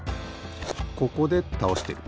ここでたおしてる。